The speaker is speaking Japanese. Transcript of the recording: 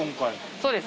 そうです